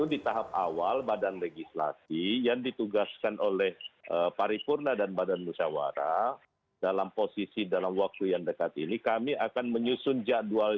dua rancangan undang undang kontroversial